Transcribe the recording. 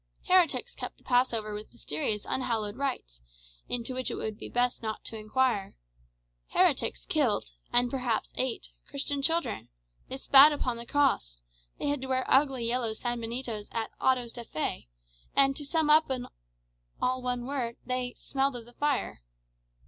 Heretics kept the passover with mysterious, unhallowed rites, into which it would be best not to inquire; heretics killed (and perhaps ate) Christian children; they spat upon the cross; they had to wear ugly yellow sanbenitos at autos da fé; and, to sum up all in one word, they "smelled of the fire."